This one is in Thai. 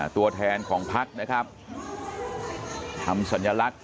ตัวแทนของพักนะครับทำสัญลักษณ